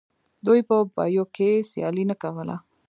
دوی په بیو کې سیالي نه کوله